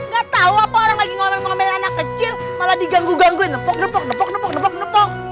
gak tau apa orang lagi ngomel ngomel anak kecil malah diganggu gangguin nepok nepok nepok nepok